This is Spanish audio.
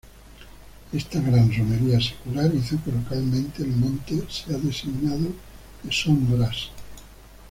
Esta gran romería secular hizo que localmente el Monte sea designado de Son Brás.